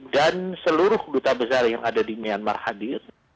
dan seluruh buta besar yang ada di myanmar hadir